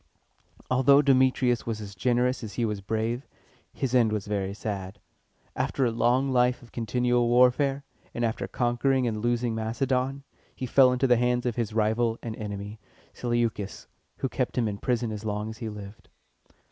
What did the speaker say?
Although Demetrius was as generous as he was brave, his end was very sad. After a long life of continual warfare, and after conquering and losing Macedon, he fell into the hands of his rival and enemy, Seleucus, who kept him in prison as long as he lived.